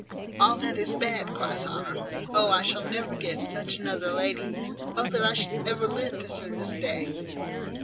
"All that is bad," cries Honour: "Oh, I shall never get such another lady! Oh that I should ever live to see this day!"